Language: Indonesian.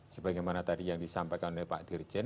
sebagaimana tadi yang disampaikan oleh pak dirjen